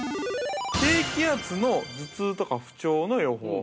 低気圧の頭痛とか不調の予報。